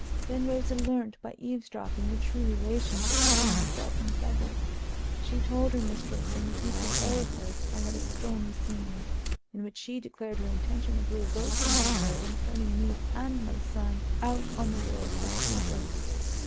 Then Rosa learnt, by eavesdropping, the true relationship between myself and Frederick. She told her mistress, and with Mrs. Arryford I had a stormy scene, in which she declared her intention of revoking her will and turning me and my son out on the world as paupers.